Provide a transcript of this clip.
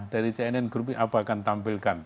dari cnn grup ini apa akan tampilkan